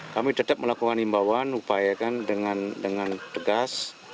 kami tetap melakukan imbauan upayakan dengan tegas